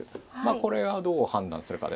これはどう判断するかですね。